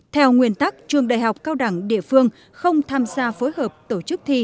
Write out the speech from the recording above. theo nguyên tắc trường đại học cao đẳng địa phương không tham gia phối hợp tổ chức thi